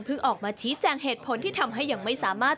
ออกมาชี้แจงเหตุผลที่ทำให้ยังไม่สามารถ